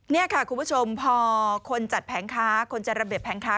นี่ค่ะคุณผู้ชมพอคนจัดแผงค้าคนจัดระเบียบแผงค้า